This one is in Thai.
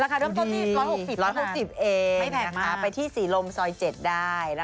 ราคาเริ่มต้นที่๑๖๐บาทดูดี๑๖๐เองไม่แพงมากไปที่สีลมซอย๗ได้นะคะ